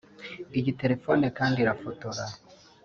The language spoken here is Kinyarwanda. Iyi terefone kandi irafotora